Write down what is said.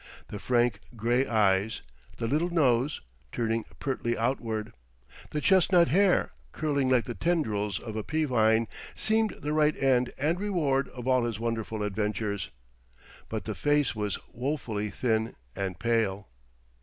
The frank, grey eyes, the little nose, turning pertly outward; the chestnut hair, curling like the tendrils of a pea vine, seemed the right end and reward of all his wonderful adventures. But the face was wofully thin and pale.